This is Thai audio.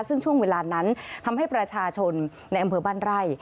ซึ่งช่วงเวลานั้นทำให้ประชาชนในอำเภอบ้านไร่